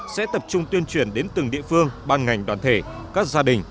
sẽ tập trung tuyên truyền đến từng địa phương ban ngành đoàn thể các gia đình